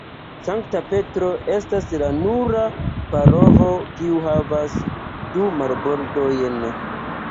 Sankta Petro estas la nura paroĥo kiu havas du marbordojn.